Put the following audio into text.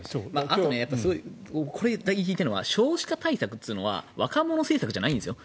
あとこれ、言いたいのは少子化対策というのは若者政策じゃないんですよ。